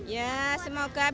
ya semoga berhasil